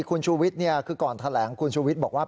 คุณชูวิทย์คือก่อนแถลงคุณชูวิทย์บอกว่า